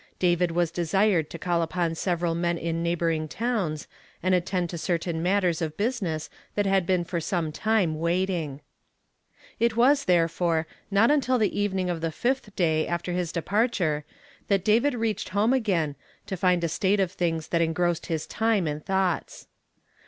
David was desired to call upon several men in neigbbor ing towns, and attend to certain matters of busi ness tbat bad been for some time Avaitino . o It was, tberefore, not until tbe evening of tbe fiftb day after bis departure tbat David readied bonie agabi, to find a state of tilings tbat en grossed bis time and tbougbts.